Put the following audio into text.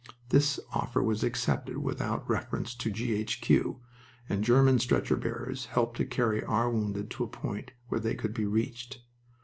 This offer was accepted without reference to G.H.Q., and German stretcher bearers helped to carry our wounded to a point where they could be reached.